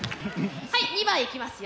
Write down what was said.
はい２番いきますよ。